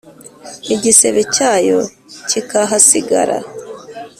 Igisebe cyayo kikahasigara.